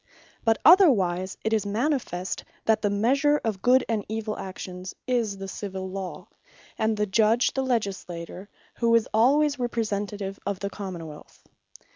But otherwise, it is manifest, that the measure of Good and Evill actions, is the Civill Law; and the Judge the Legislator, who is alwayes Representative of the Common wealth.